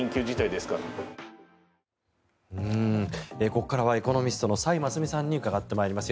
ここからはエコノミストの崔真淑さんに伺ってまいります。